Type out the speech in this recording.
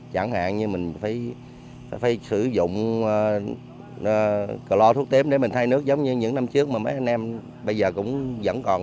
chẳng hạn như mình phải sử dụng clor tiếp để mình thay nước giống như những năm trước mà mấy anh em bây giờ cũng vẫn còn